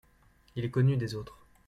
Il est connu des autres.